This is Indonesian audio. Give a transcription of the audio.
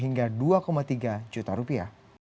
hingga dua tiga juta rupiah